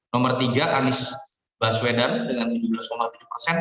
nomor tiga pranowo dengan dua puluh dua delapan persen